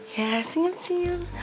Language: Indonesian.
ya senyum senyum